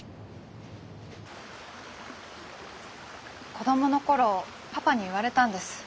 子供の頃パパに言われたんです。